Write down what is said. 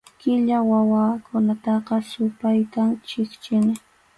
Qilla wawakunataqa supaytam chiqnini.